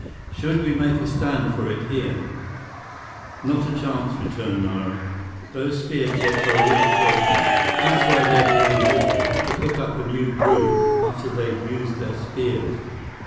Should we make a stand for it here?" "Not a chance," returned Nara. "Those spear tips are already poisoned. That's why they're boiling water, to cook up a new brew after they've used their spears.